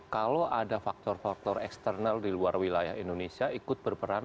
kalau ada faktor faktor eksternal di luar wilayah indonesia ikut berperan